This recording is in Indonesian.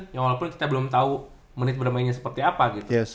ya walaupun kita belum tahu menit bermainnya seperti apa gitu